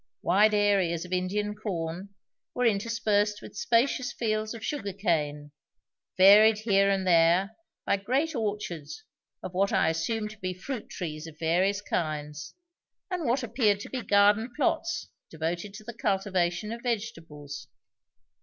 Wide areas of Indian corn were interspersed with spacious fields of sugar cane, varied here and there by great orchards of what I assumed to be fruit trees of various kinds, and what appeared to be garden plots devoted to the cultivation of vegetables.